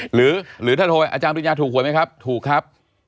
หรือถ้าโทรอาจารย์ปริญญาถูกหวยไหมครับถูกครับ